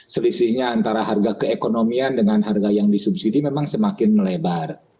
selisihnya antara harga keekonomian dengan harga yang disubsidi memang semakin melebar